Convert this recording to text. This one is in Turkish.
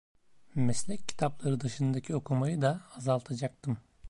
Meslek kitapları dışındaki okumayı da azaltacaktım.